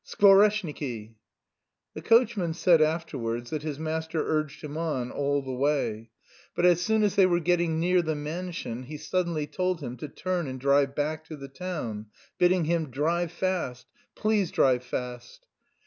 "Skvoreshniki!" The coachman said afterwards that his master urged him on all the way, but as soon as they were getting near the mansion he suddenly told him to turn and drive back to the town, bidding him "Drive fast; please drive fast!"